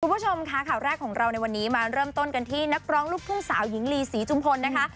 คุณผู้ชมค่ะข่าวแรกของเราในวันนี้มาเริ่มต้นกันที่นักร้องลูกทุ่งสาวหญิงลีศรีจุมพลนะคะ